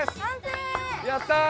やったー！